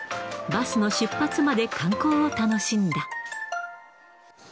バスの出発まで、観光を楽しんだ。